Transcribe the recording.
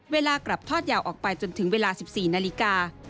เวลากลับทอดยาวออกไปจนถึงเวลา๑๔นาฬิกา